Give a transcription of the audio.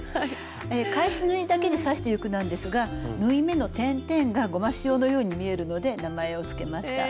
返し縫いだけで刺していくんですが縫い目の点々がゴマシオのように見えるので名前をつけました。